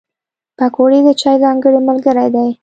پکورې د چای ځانګړی ملګری دی